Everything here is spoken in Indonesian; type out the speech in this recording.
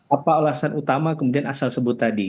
apa alasan utama kemudian asal sebut tadi